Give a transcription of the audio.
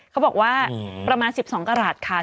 เขาบอกว่าประมาณ๑๒กระหลาดค่ะ